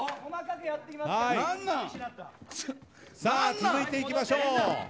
続いていきましょう。